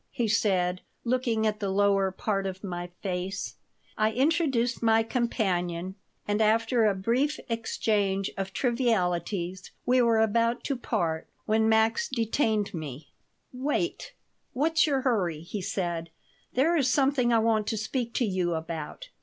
he said, looking at the lower part of my face I introduced my companion and after a brief exchange of trivialities we were about to part, when Max detained me "Wait. What's your hurry?" he said. "There is something I want to speak to you about.